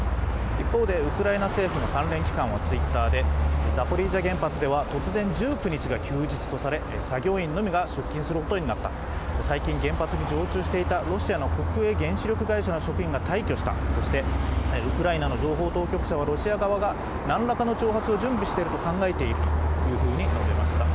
一方で、ウクライナ政府の関連機関はＴｗｉｔｔｅｒでザポリージャ原発では突然１９日が休日とされ作業員のみが出勤することになった最近原発に常駐していたロシアの国営原子力会社の職員が退去したとしてウクライナの情報当局者はロシア側が何らかの挑発を準備していると考えていると述べました。